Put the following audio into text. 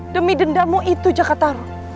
demi dendamu itu jakarta